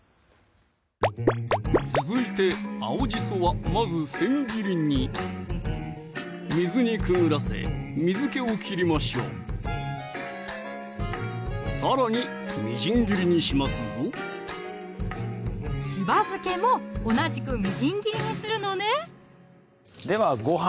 続いて青じそはまずせん切りに水にくぐらせ水気を切りましょうさらにみじん切りにしますぞしば漬けも同じくみじん切りにするのねではご飯